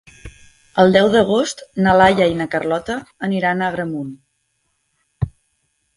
El deu d'agost na Laia i na Carlota aniran a Agramunt.